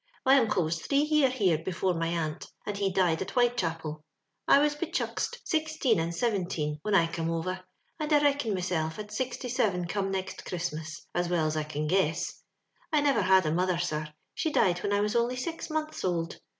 My uncle was three year here before my aunt, and he died at White chapel. I was bechuxt sixteen and seventeen when I come over, and I reckon meself at sixty seven come next Christmas, as well as I can guess. I never had a mother, sir; she died when I was only six months old.